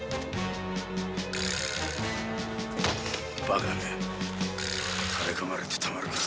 バカめ駆け込まれてたまるか。